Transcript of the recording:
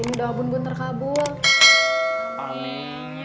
tapi doa bun bun belum terkabul juga